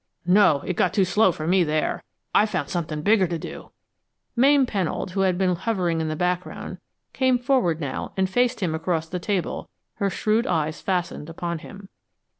"No. It got too slow for me there. I found something bigger to do." Mame Pennold, who had been hovering in the background, came forward now and faced him across the table, her shrewd eyes fastened upon him.